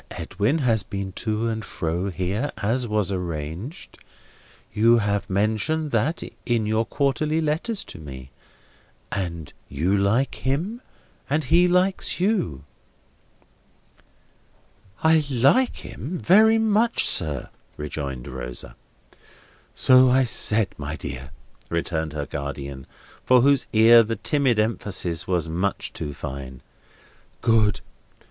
Edwin has been to and fro here, as was arranged. You have mentioned that, in your quarterly letters to me. And you like him, and he likes you." "I like him very much, sir," rejoined Rosa. "So I said, my dear," returned her guardian, for whose ear the timid emphasis was much too fine. "Good.